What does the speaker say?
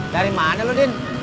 dari mana lu din